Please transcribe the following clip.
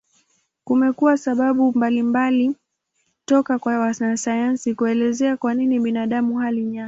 Kumekuwa sababu mbalimbali toka kwa wanasayansi kuelezea kwa nini binadamu hali nyasi.